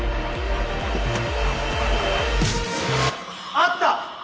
あった！